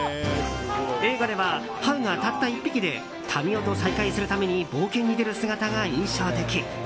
映画では、ハウがたった１匹で民夫と再会するために冒険に出る姿が印象的。